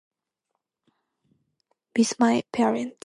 despite pearent